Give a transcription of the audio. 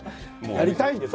やりたいんです